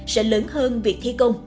sẽ lớn hơn việc thi công